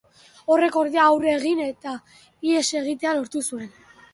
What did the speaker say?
Horrek, ordea, aurre egin, eta ihes egitea lortu zuten.